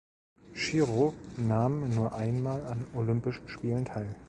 Schirow nahm nur einmal an Olympischen Spielen teil.